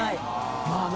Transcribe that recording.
⁉まあね！